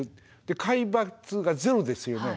で海抜がゼロですよね。